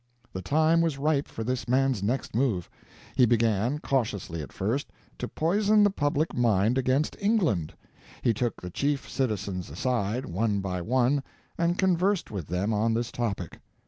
The time was ripe for this man's next move. He began, cautiously at first, to poison the public mind against England. He took the chief citizens aside, one by one, and conversed with them on this topic.